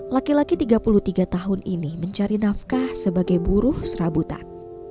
laki laki tiga puluh tiga tahun ini mencari nafkah sebagai buruh serabutan